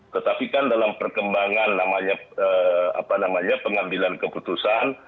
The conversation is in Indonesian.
tetapi kan dalam perkembangan namanya pengambilan keputusan